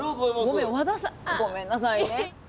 ごめんなさいね。